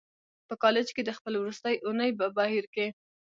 په کالج کې د خپلې وروستۍ اونۍ په بهير کې.